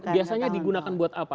biasanya digunakan buat apa